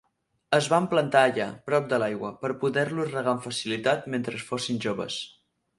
Es van plantar allà, prop de l'aigua, per poder-los regar amb facilitat mentre fossin joves.